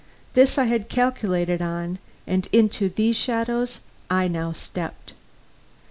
This I had calculated on, and into these shadows I now stepped.